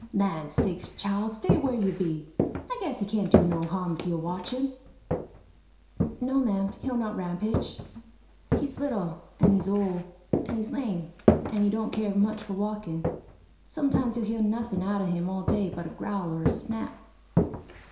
"Land sakes, child, stay where you be! I guess he can't do no harm if you'll watch him." "No ma'am, he'll not rampage. He's little, an' he's ole, an' he's lame, an' he don't care much for walkin'. Sometimes you'll hear nothin' out o' him all day but a growl or a snap."